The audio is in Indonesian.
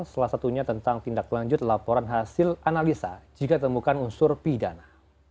salah satunya tentang tindak lanjut laporan hasil analisa jika temukan unsur pidana